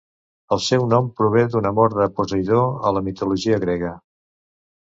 El seu nom prové d'un amor de Posidó, a la mitologia grega.